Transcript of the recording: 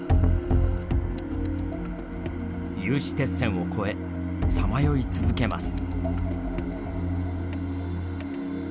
有刺鉄線を越えさまよい続けます。